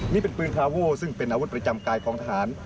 นี่เป็นปืนคาโว้ซึ่งเป็นอาวุธประจำกายของทหาร